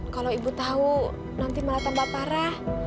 kalau ibu tahu nanti malah tambah parah